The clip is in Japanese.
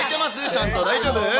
ちゃんと、大丈夫？